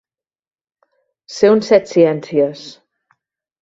Ser un setciències.